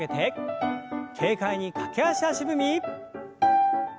軽快に駆け足足踏み。